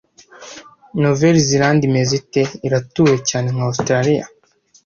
Nouvelle-Zélande imeze ite? Iratuwe cyane nka Australiya?